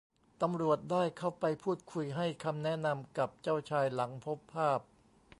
ตำรวจได้เข้าไปพูดคุยให้คำแนะนำกับเจ้าชายหลังพบภาพ